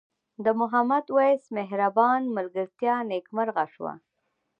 د محمد وېس مهربان ملګرتیا نیکمرغه شوه.